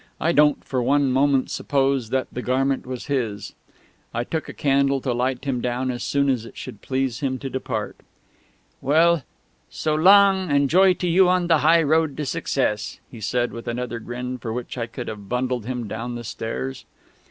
I don't for one moment suppose that the garment was his. I took a candle to light him down as soon as it should please him to depart. "Well, so long, and joy to you on the high road to success," he said with another grin for which I could have bundled him down the stairs....